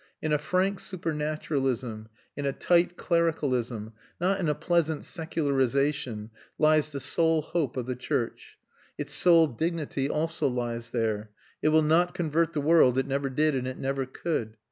In a frank supernaturalism, in a tight clericalism, not in a pleasant secularisation, lies the sole hope of the church. Its sole dignity also lies there. It will not convert the world; it never did and it never could.